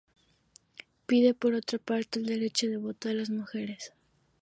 Pide, por otra parte, el derecho de voto de las mujeres.